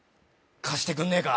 貸してくんねえか？